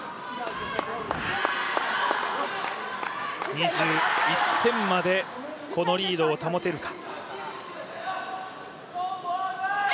２１点までこのリードを保てるか。